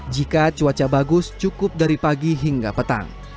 jika cuaca bagus cukup dari pagi hingga petang